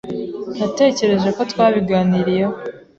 Natekereje ko twabiganiriyeho.